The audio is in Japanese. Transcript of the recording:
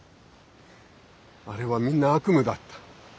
あれはみんな悪夢だった。